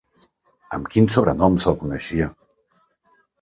Amb quin sobrenom se'l coneixia?